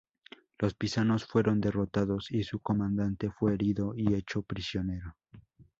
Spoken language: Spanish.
Los pisanos fueron derrotados, y su comandante fue herido y hecho prisionero.